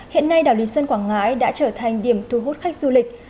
hiện nay đảo lý sơn quảng ngãi đã trở thành điểm thu hút khách du lịch